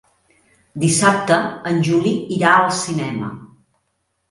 Dissabte en Juli irà al cinema.